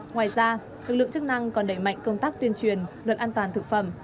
ngoài ra lực lượng chức năng còn đẩy mạnh công tác tuyên truyền luật an toàn thực phẩm